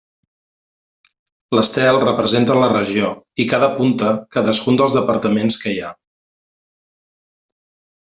L'estel representa la regió i cada punta cadascun dels departaments que hi ha.